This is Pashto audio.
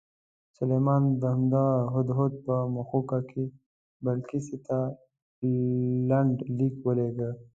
سلیمان د همدغه هدهد په مښوکه کې بلقیس ته لنډ لیک ولېږه.